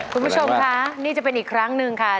คุณผู้ชมคะนี่จะเป็นอีกครั้งหนึ่งค่ะ